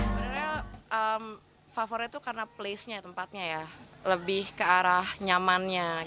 sebenarnya favorit itu karena tempatnya lebih ke arah nyamannya